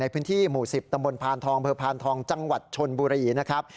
ในพื้นที่หมู่๑๐ตมลพานทองพพทจังหวัดชนบุรีนะครับ